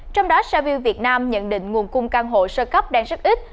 trong đó saview việt nam nhận định nguồn cung căn hộ sơ cấp đang rất ít